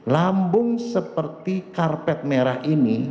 lambung seperti karpet merah ini